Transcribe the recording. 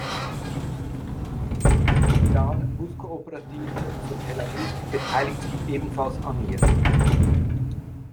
Die Dan-Buskooperative von Tel Aviv beteiligt sich ebenfalls an ihr.